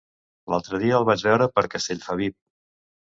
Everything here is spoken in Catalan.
L'altre dia el vaig veure per Castellfabib.